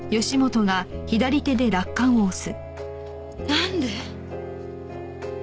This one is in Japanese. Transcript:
なんで？